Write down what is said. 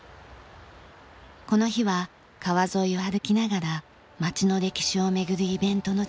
この日は川沿いを歩きながら町の歴史を巡るイベントの準備です。